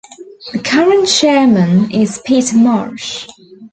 The current chairman is Peter Marsh.